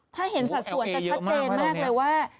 ถ้าเห็นสัดส่วนจะชัดเจนมากเลยว่า